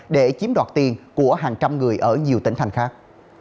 để chiếm đoạt tiền của hàng trăm người ở nhiều tỉnh thành khác